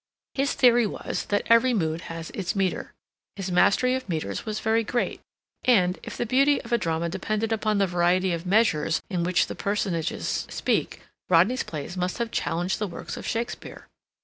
His theory was that every mood has its meter. His mastery of meters was very great; and, if the beauty of a drama depended upon the variety of measures in which the personages speak, Rodney's plays must have challenged the works of Shakespeare.